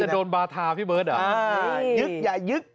จะโดนบาทาพี่เบิร์ดหรออ่ายึ๊กอย่ายึ๊ก